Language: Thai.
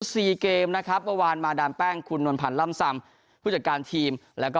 สี่เกมนะครับเมื่อวานมาดามแป้งคุณนวลพันธ์ล่ำซำผู้จัดการทีมแล้วก็